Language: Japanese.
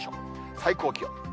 最高気温。